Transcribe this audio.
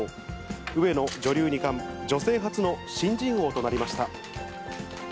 上野女流二冠、女性初の新人王となりました。